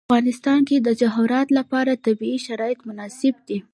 په افغانستان کې د جواهرات لپاره طبیعي شرایط مناسب دي.